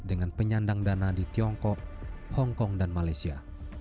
dengan penyandang dana di tiongkok hongkong dan malaysia